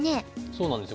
そうなんですよ。